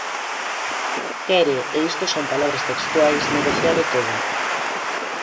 Quere, e isto son palabras textuais, negocialo todo.